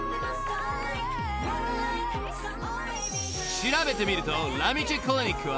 ［調べてみるとラミチェクリニックは］